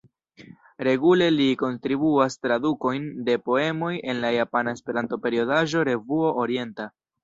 Regule li kontribuas tradukojn de poemoj en la japana Esperanto-periodaĵo Revuo Orienta.